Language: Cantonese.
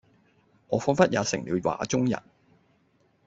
我彷彿也成了畫中人